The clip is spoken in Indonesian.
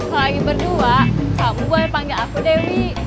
kalau lagi berdua kamu boleh panggil aku dewi